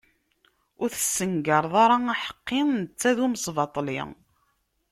Ur tessengareḍ ara aḥeqqi netta d umesbaṭli!